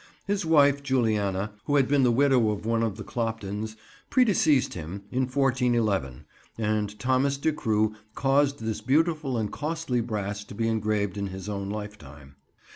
His wife Juliana, who had been the widow of one of the Cloptons, predeceased him, in 1411, and Thomas de Cruwe caused this beautiful and costly brass to be engraved in his own lifetime.